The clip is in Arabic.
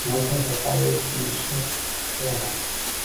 نظف القلب من الشك ولا